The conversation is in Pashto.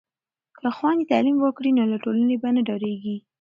که خویندې تعلیم وکړي نو له ټولنې به نه ډاریږي.